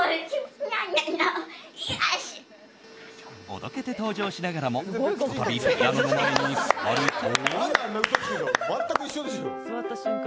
おどけて登場しながらもひと度ピアノの前に座ると。